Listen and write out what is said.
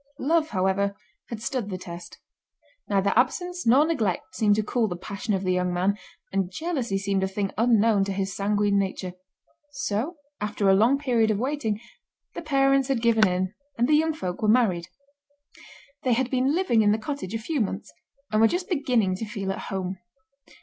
Love, however, had stood the test. Neither absence nor neglect seemed to cool the passion of the young man, and jealousy seemed a thing unknown to his sanguine nature; so, after a long period of waiting, the parents had given in, and the young folk were married. They had been living in the cottage a few months, and were just beginning to feel at home.